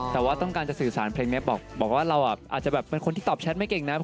แต่ว่าต้องการจะสื่อสารเพลงนี้บอกว่าเราอาจจะแบบเป็นคนที่ตอบแชทไม่เก่งนะ